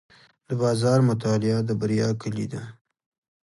د بازار مطالعه د بریا کلي ده.